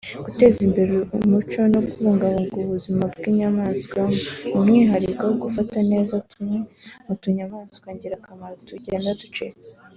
guteza imbere umuco no kubungabunga ubuzima bw’inyamaswa by’umwihariko gufata neza tumwe mu tunyaswa ngirakamaro tugenda ducika